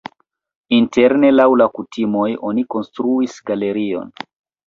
Interne laŭ la kutimoj oni konstruis galerion.